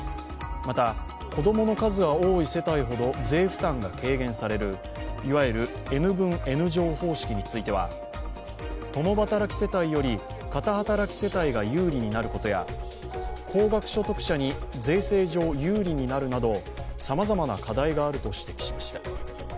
また、子供の数が多い世帯ほど税負担が軽減されるいわゆるＮ分Ｎ乗方式については共働き世帯より片働き世帯が有利になることや高額所得者に税制上、有利になるなどさまざまな課題があると指摘しました。